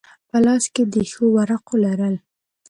په لاس کې د ښو ورقو لرل.